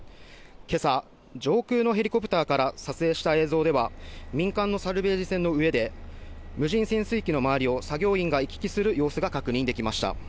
今朝、上空のヘリコプターから撮影した映像では、民間のサルベージ船の上で無人潜水機の周りを作業員が行き来する様子が確認できました。